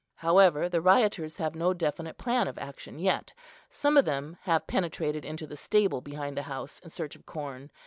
However, the rioters have no definite plan of action yet. Some of them have penetrated into the stable behind the house in search of corn.